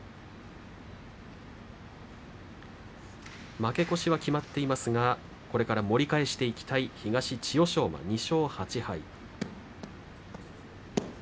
負け越しは決まっていますがこれから盛り返していきたい東の千代翔馬、２勝８敗。